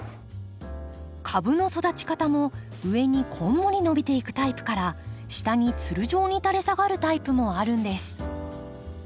株の育ち方も上にこんもり伸びていくタイプから下につる状に垂れ下がるタイプもあるんです。